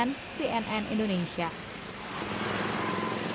berita terkini mengenai cuaca ekstrem dua ribu dua puluh satu